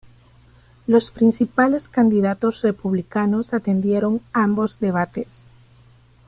Los principales candidatos republicanos atendieron ambos debates.